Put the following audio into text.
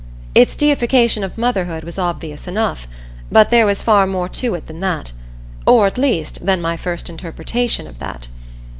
Its deification of motherhood was obvious enough; but there was far more to it than that; or, at least, than my first interpretation of that.